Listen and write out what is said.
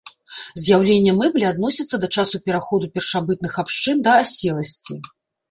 З'яўленне мэблі адносіцца да часу пераходу першабытных абшчын да аселасці.